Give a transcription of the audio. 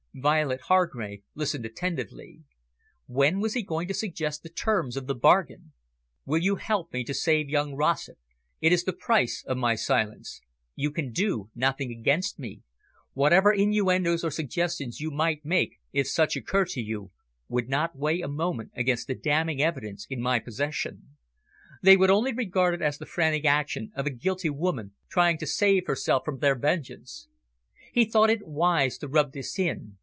Violet Hargrave listened attentively. When was he going to suggest the terms of the bargain? "Will you help me to save young Rossett? It is the price of my silence. You can do nothing against me. Whatever innuendos or suggestions you might make, if such occur to you, would not weigh a moment against the damning evidence in my possession. They would only regard it as the frantic action of a guilty woman, trying to save herself from their vengeance." He thought it wise to rub this in.